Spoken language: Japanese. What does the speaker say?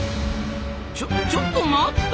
ちょちょっと待った！